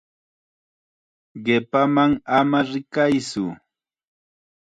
Qipaman ama rikaytsu.